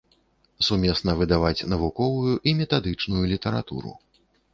Сумесна выдаваць навуковую і метадычную літаратуру.